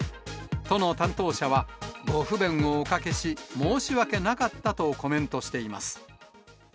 都の担当者は、ご不便をおかけし、申し訳なかったとコメントしています。